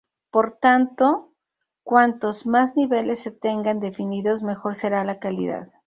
Por tanto, cuantos más niveles se tengan definidos mejor será la calidad.